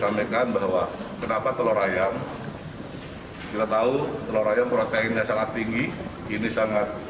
sampaikan bahwa kenapa telur ayam kita tahu telur ayam proteinnya sangat tinggi ini sangat